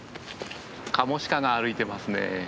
カモシカが歩いてますね。